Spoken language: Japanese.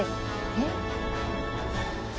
えっ？